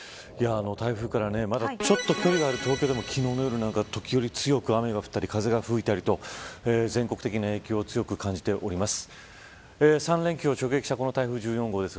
台風からまだちょっと距離がある東京でも昨日の夜中時折、強く雨が降ったり風が吹いたりと全国的な影響を強く感じております。